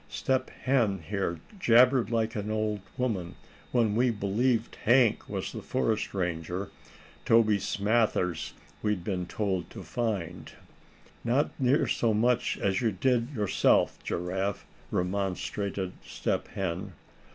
Step Hen here jabbered like an old woman, when we believed Hank was the forest ranger, Toby Smathers, we'd been told to find." "Not near so much as you did yourself, Giraffe," remonstrated Step Hen.